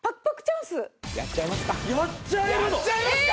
やっちゃいますか？